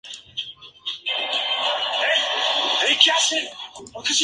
El ramal y las estaciones se encuentran abandonadas y en ruinas.